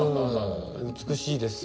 美しいですよ。